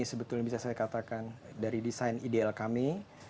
sebetulnya bisa saya katakan dari desain ideal kami